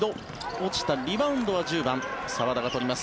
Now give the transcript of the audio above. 落ちた、リバウンドは１０番、澤田が取ります。